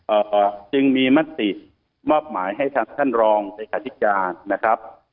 เอ่อจึงมีมัตติมอบหมายให้ท่านท่านรองในขณะที่การนะครับ